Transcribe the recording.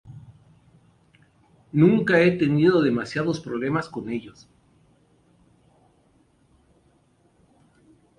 Nunca he tenido demasiados problemas con ellos".